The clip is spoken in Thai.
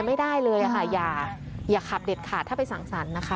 ไม่ได้เลยค่ะอย่าขับเด็ดขาดถ้าไปสั่งสรรค์นะคะ